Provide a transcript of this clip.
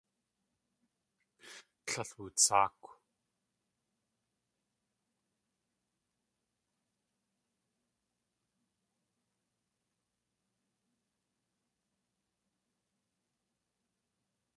Tlél wutsáakw.